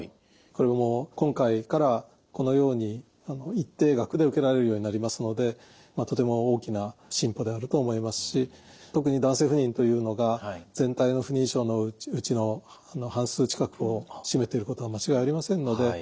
これも今回からこのように一定額で受けられるようになりますのでとても大きな進歩であると思いますし特に男性不妊というのが全体の不妊症のうちの半数近くを占めてることは間違いありませんので